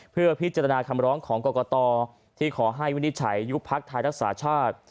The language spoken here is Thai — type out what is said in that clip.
เพื่อพิจารณาคำร้องของกรกตที่ขอให้วินิจฉัยยุบพักไทยรักษาชาติ